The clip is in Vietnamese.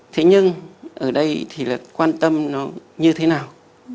thế nhưng ở đây thì là quan tâm nó như thế nào